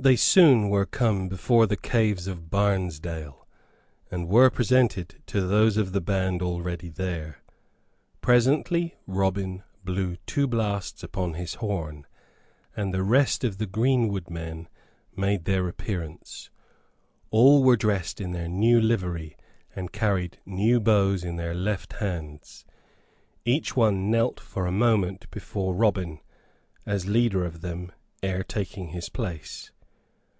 They soon were come before the caves of Barnesdale, and were presented to those of the band already there. Presently Robin blew two blasts upon his horn, and the rest of the greenwood men made their appearance. All were dressed in their new livery, and carried new bows in their left hands. Each one knelt for a moment before Robin, as leader of them, ere taking his place.